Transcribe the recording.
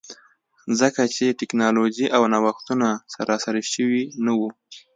ځکه چې ټکنالوژي او نوښت ونه سراسري شوي نه وو.